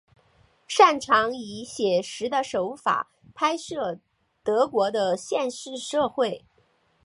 擅长以写实的手法拍摄德国的现实社会。